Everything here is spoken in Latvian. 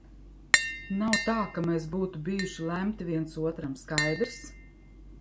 Nav tā, ka mēs būtu bijuši lemti viens otram, skaidrs?